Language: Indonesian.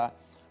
bahwa allah swt